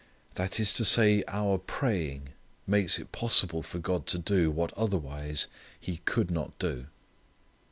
That is to say our praying makes it possible for God to do what otherwise He could not do.